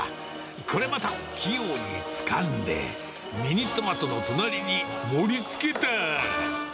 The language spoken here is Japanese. これまた器用につかんで、ミニトマトの隣に盛りつけた。